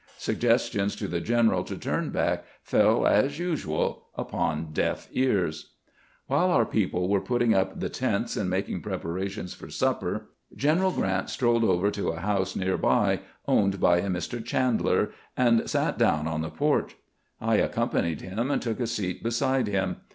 Suggestions to the general to turn back fell as usual upon deaf ears. GRANT AND THE VIRGINIA LADY 133 While our people were putting up the tents and mak ing preparations for supper, G eneral Grant strolled over to a house near by, owned by a Mr. Chandler, and sat down on the porch. I accompanied him, and took a seat beside him.